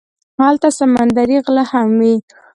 هلته سمندري غله هم وي.